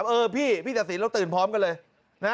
เออพี่พี่แต่สีรถตื่นพร้อมกันเลย